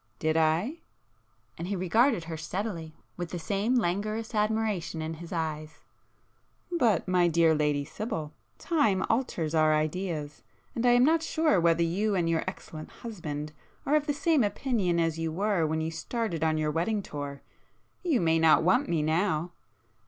"Did I?" and he regarded her steadily, with the same languorous admiration in his eyes—"But, my dear Lady Sibyl, time alters our ideas, and I am not sure whether you and your excellent husband are of the same opinion as you were when you started on your wedding tour. You may not want me now!"